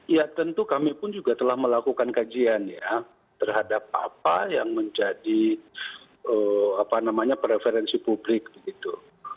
ya tentu kami pun juga telah melakukan kajian ya terhadap apa yang menjadi preferensi publik begitu